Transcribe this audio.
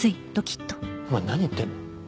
お前何言ってんの？